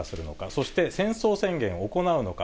そして戦争宣言を行うのか。